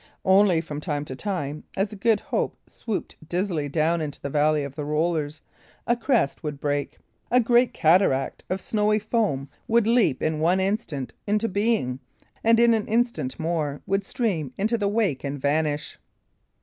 Only from time to time, as the Good Hope swooped dizzily down into the valley of the rollers, a crest would break a great cataract of snowy foam would leap in one instant into being and, in an instant more, would stream into the wake and vanish.